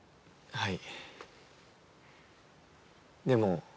はい。